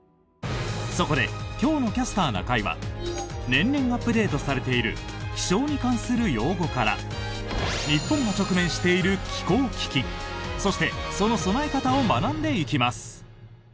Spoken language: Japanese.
そこで今日の「キャスターな会」は年々アップデートされている気象に関する用語から日本が直面している気候危機そして、その備え方を学んでいきます。